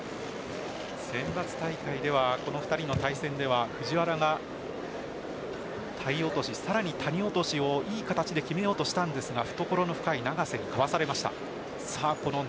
選抜大会ではこの２人の対戦では藤原が体落、さらに谷落をいい形で決めようとしたんですが懐の深い永瀬にかわされました。